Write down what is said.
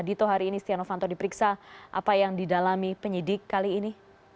dito hari ini setia novanto diperiksa apa yang didalami penyidik kali ini